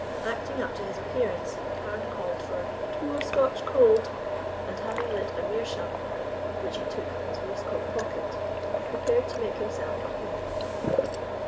Acting up to his appearance, Carne called for a "two of Scotch cold," and, having lit a meerschaum pipe which he took from his waistcoat pocket, prepared to make himself at home.